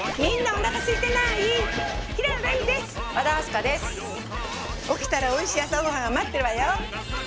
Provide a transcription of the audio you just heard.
おきたらおいしいあさごはんがまってるわよ。